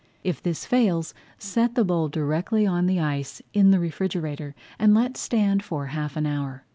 If this fails, set the bowl directly on the ice in the refrigerator, and let stand for half an hour.